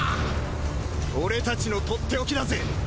俺たちのとっておきだぜ。